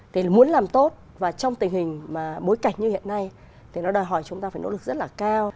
thì muốn làm tốt và trong tình hình mà bối cảnh như hiện nay thì nó đòi hỏi chúng ta phải nỗ lực rất là cao